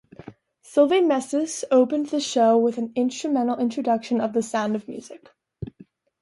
"Silvanemesis" opened the show with an instrumental introduction of "The Sound of Music".